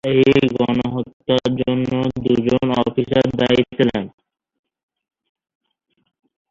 Highland Park এর সাথে এই শহরের সীমানার সামান্য সংযোগ রয়েছে।